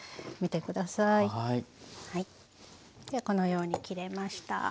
このように切れました。